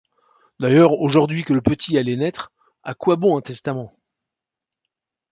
D’ailleurs, aujourd’hui que le petit allait naître, à quoi bon un testament?